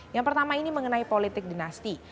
yang pertama ini mengenai politik dinasti